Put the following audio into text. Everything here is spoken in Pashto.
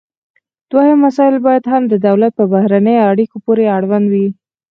دوهم مسایل باید د دولت په بهرنیو اړیکو پورې اړوند وي